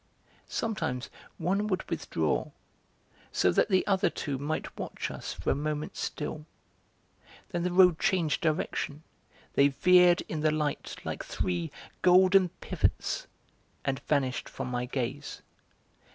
Sometimes one would withdraw, so that the other two might watch us for a moment still; then the road changed direction, they veered in the light like three golden pivots, and vanished from my gaze.